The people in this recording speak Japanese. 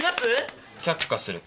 却下する。